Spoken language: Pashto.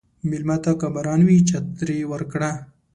مېلمه ته که باران وي، چترې ورکړه.